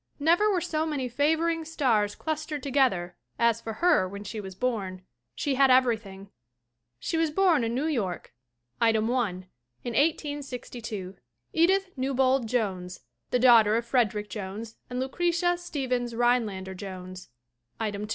Never were so many favoring stars clustered together as for her when she was born. She had everything. She was born in New York (item i) in 1862, Edith Newbold Jones, the daughter of Frederic Jones and Lucretia Stevens Rhinelander Jones (item 2).